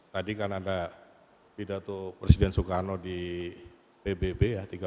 tadi kan anda tidak itu presiden soekarno di pbb ya